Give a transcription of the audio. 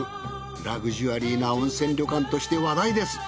ラグジュアリーな温泉旅館として話題です。